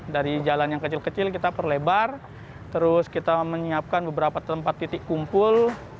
dari jalan yang kecil kecil kita perlebar terus kita menyiapkan beberapa tempat titik kumpul